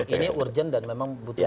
ini urgent dan memang butuh